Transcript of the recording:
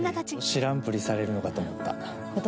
知らんぷりされるのかと思った。